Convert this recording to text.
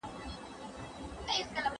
زه پرون ليکلي پاڼي ترتيب کوم.